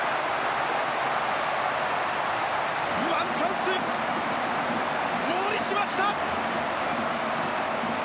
ワンチャンス、ものにしました！